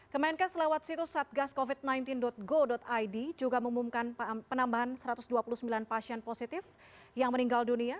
kemenkes lewat situs satgascovid sembilan belas go id juga mengumumkan penambahan satu ratus dua puluh sembilan pasien positif yang meninggal dunia